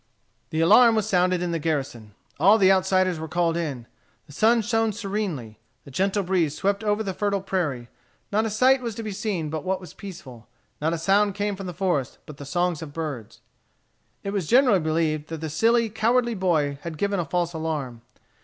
The alarm was sounded in the garrison. All the outsiders were called in. The sun shone serenely, the gentle breeze swept over the fertile prairie; not a sight was to be seen but what was peaceful, not a sound came from the forest but the songs of birds. It was generally believed that the silly, cowardly boy had given a false alarm.